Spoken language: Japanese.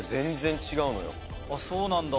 あっそうなんだ。